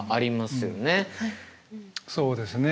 そうですね。